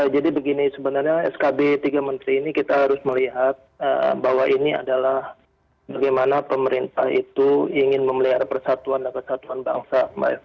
jadi begini sebenarnya skb tiga menteri ini kita harus melihat bahwa ini adalah bagaimana pemerintah itu ingin memelihara persatuan dan kesatuan bangsa